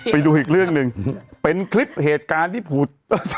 ไปดูอีกเรื่องหนึ่งเป็นคลิปเหตุการณ์ที่ผูด